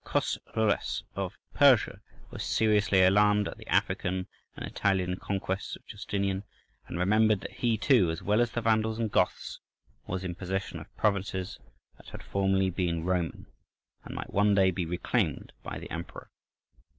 Chosroës of Persia was seriously alarmed at the African and Italian conquests of Justinian, and remembered that he too, as well as the Vandals and Goths, was in possession of provinces that had formerly been Roman, and might one day be reclaimed by the Emperor.